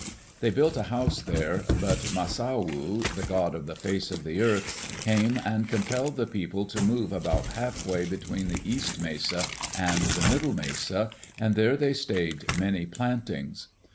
They built a house there, but Masauwu, the God of the Face of the Earth, came and compelled the people to move about halfway between the East Mesa and the Middle Mesa and there they stayed many plantings.